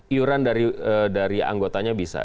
iuran dari anggotanya bisa